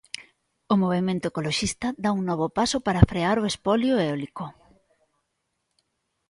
O movemento ecoloxista dá un novo paso para frear o "espolio eólico".